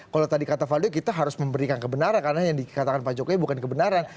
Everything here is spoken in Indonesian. kalau tadi kata valdo kita harus memberikan kebenaran karena yang dikatakan pak jokowi bukan kebenaran